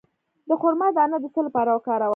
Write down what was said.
د خرما دانه د څه لپاره وکاروم؟